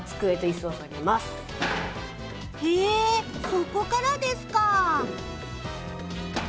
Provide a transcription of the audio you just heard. えそこからですか。